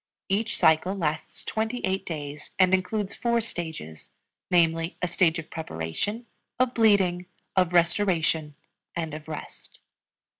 Each cycle lasts twenty eight days, and includes four stages, namely, a stage of preparation, of bleeding, of restoration, and of rest.